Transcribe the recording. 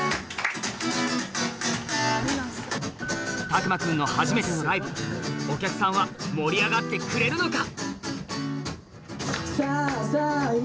拓万くんの初めてのライブお客さんは盛り上がってくれるのか？